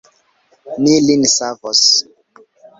Ni lin savos.